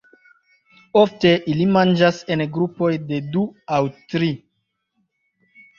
Ofte ili manĝas en grupoj de du aŭ tri.